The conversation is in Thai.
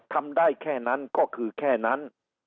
ทำได้แค่นั้นก็คือแค่นั้น